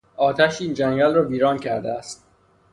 آتش این جنگل را ویران کرده است.